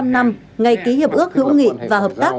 bảy mươi năm năm ngày ký hiệp ước hữu nghị và hợp tác